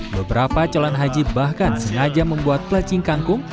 beberapa calon haji bahkan sengaja membuat pelacing kangkung